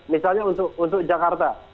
misalnya untuk jakarta